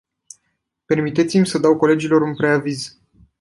Permiteți-mi să dau colegilor un preaviz.